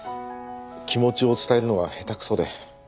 気持ちを伝えるのが下手くそで。